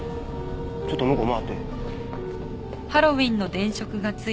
ちょっと向こう回って。